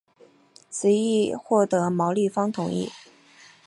此议获得毛利方同意。